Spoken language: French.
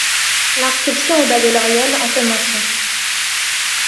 L'inscription au bas de l'oriel en fait mention.